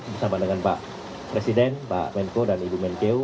bersama dengan pak presiden pak menko dan ibu menkeu